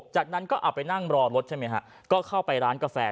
จากนั้นก็เอาไปนั่งรอรถใช่ไหมฮะก็เข้าไปร้านกาแฟ